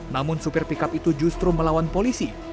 namun supir pickup itu justru melawan polisi